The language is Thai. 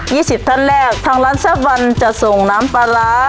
ี่สิบท่านแรกทางร้านแซ่บวันจะส่งน้ำปลาร้า